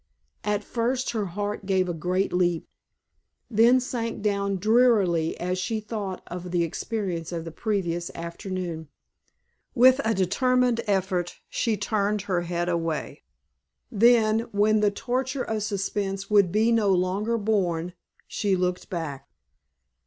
At first her heart gave a great leap, then sank down drearily as she thought of the experience of the previous afternoon. With a determined effort she turned her head away. Then when the torture of suspense would be no longer borne, she looked back.